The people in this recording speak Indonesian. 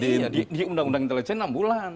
di undang undang intelijen enam bulan